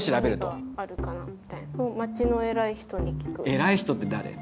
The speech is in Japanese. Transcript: えらい人って誰？